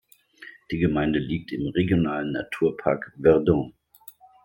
Die Gemeinde liegt im Regionalen Naturpark Verdon.